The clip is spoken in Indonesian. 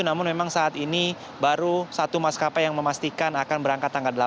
namun memang saat ini baru satu maskapai yang memastikan akan berangkat tanggal delapan